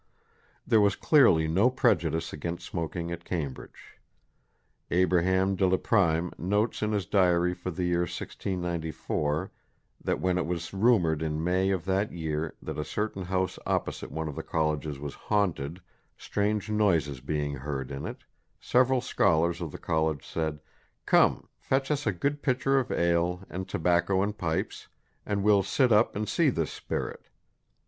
There was clearly no prejudice against smoking at Cambridge. Abraham de la Pryme notes in his diary for the year 1694 that when it was rumoured in May of that year that a certain house opposite one of the colleges was haunted, strange noises being heard in it, several scholars of the college said, "Come, fetch us a good pitcher of ale, and tobacco and pipes, and wee'l sit up and see this spirit."